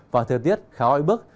và thời tiết khá oi bức